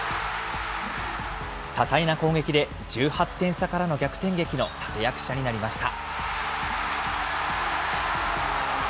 多彩な攻撃で１８点差からの逆転劇の立て役者になりました。